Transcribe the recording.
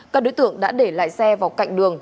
các đối tượng đã để lại xe vào cạnh đường